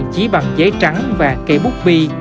đi cùng với tôi